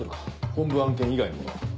本部案件以外の者は。